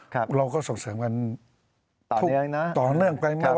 เราก็ส่งเสริมกันต่อเนื่องไปมา